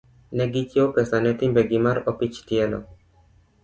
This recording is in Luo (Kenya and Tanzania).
ne gichiwo pesa ne timbegi mar opich tielo.